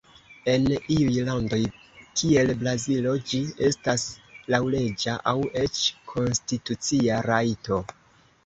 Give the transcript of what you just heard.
En iuj landoj, kiel Brazilo, ĝi estas laŭleĝa aŭ eĉ konstitucia rajto.